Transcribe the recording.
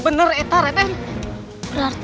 berarti masih ada orang yang menyerang kita